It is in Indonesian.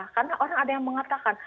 karena orang ada yang mengatakan